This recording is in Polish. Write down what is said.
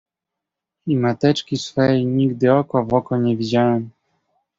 "I mateczki swej nigdy oko w oko nie widziałem."